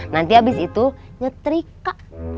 nanti abis itu nyetrika